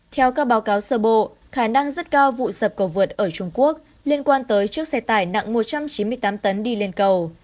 theo các báo cáo sơ bộ khả năng rất cao vụ sập cầu vượt ở trung quốc liên quan tới chiếc xe tải nặng một trăm chín mươi tám tấn đi lên cầu